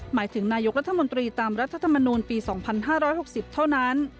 หมายถึงนายกรัฐมนตรีตามรัฐธรรมนูลปี๒๕๖๐เท่านั้น